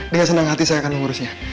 dengan senang hati saya akan mengurusnya